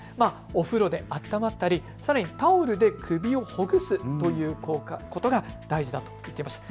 お風呂で温まったり、タオルで首をほぐすということが大事だと言っていました。